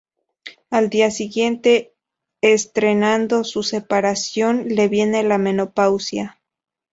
Al día siguiente, estrenando su separación, le viene la menopausia.